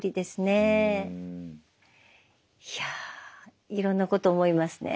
いやぁいろんなこと思いますね。